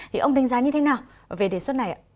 thì ông đánh giá như thế nào về đề xuất này ạ